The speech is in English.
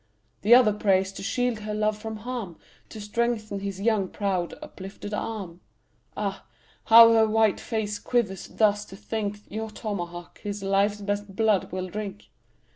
The other prays to shield her love from harm, To strengthen his young, proud uplifted arm. Ah, how her white face quivers thus to think, Your tomahawk his life's best blood will drink.